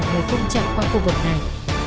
người phân trạng qua khu vực này